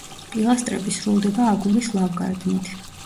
პილასტრები სრულდება აგურის ლავგარდნით.